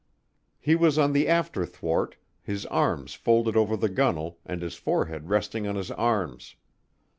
He was on the after thwart, his arms folded over the gunnel and his forehead resting on his arms.